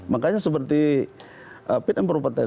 makanya seperti fit and proper test